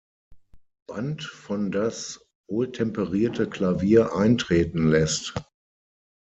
Band von Das Wohltemperierte Klavier eintreten lässt.